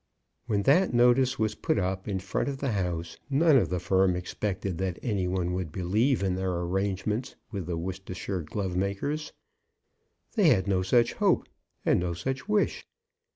When that notice was put up in front of the house, none of the firm expected that any one would believe in their arrangement with the Worcestershire glove makers. They had no such hope, and no such wish.